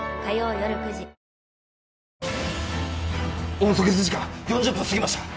温阻血時間４０分過ぎました。